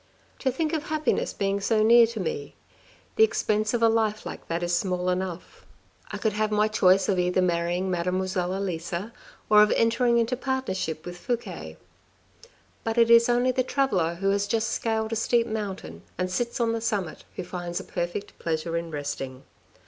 " To think of happiness being so near to me — the expense of a life like that is small enough. I could have my SORROWS OF AN OFFICIAL 161 choice of either marrying Mademoiselle Elisa or of entering into partnership with Fouque. But it is only the traveller who has just scaled a steep mountain and sits down on the summit who finds a perfect pleasure in resting.